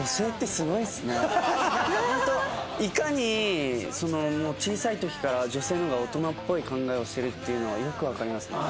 本当いかに小さい時から女性の方が大人っぽい考えをしてるっていうのがよくわかりますね。